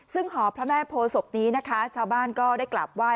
ซึ่งหอพระแม่โพศพนี้นะคะชาวบ้านก็ได้กลับไห้